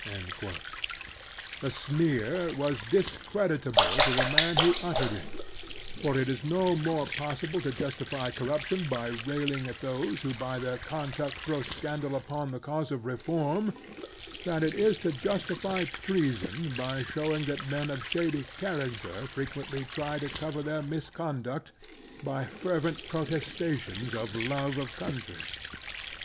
'" The sneer was discreditable to the man who uttered it, for it is no more possible to justify corruption by railing at those who by their con duct throw scandal upon the cause of reform than it is to justify treason by showing that men of shady dmracter frequently try to cover their 48 The Strenuous Life misconduct by fervent protestations of love of cotintry.